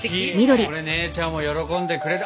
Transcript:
これ姉ちゃんも喜んでくれる。